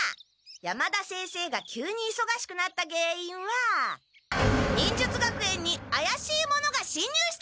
山田先生が急にいそがしくなったげんいんは忍術学園にあやしい者がしんにゅうしたせい！